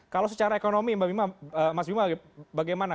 kalau secara ekonomi mas bima bagaimana